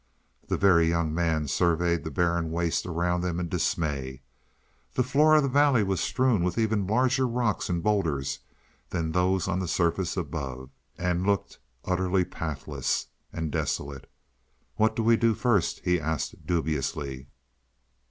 The Very Young Man surveyed the barren waste around them in dismay. The floor of the valley was strewn with even larger rocks and bowlders than those on the surface above, and looked utterly pathless and desolate. "What do we do first?" he asked dubiously.